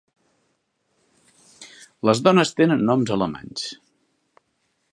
Les dones tenen noms alemanys.